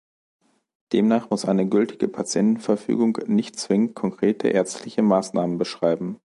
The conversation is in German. Demnach muss eine gültige Patientenverfügung nicht zwingend konkrete ärztliche Maßnahmen beschreiben.